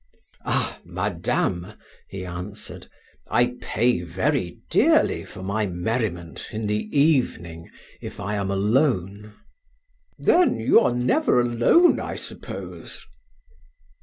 "Ah! madame," he answered, "I pay very dearly for my merriment in the evening if I am alone." "Then, you are never alone, I suppose."